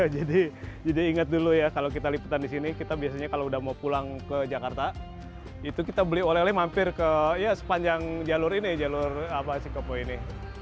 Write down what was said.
ingat dulu ya kalau kita liputan di sini kita biasanya kalau udah mau pulang ke jakarta itu kita beli oleh oleh mampir ke ya sepanjang jalur ini jalur cikopo ini